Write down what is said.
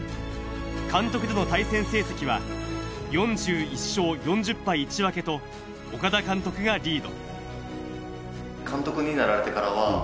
監督時代の対戦成績は４１勝４０敗１分と岡田監督がリード。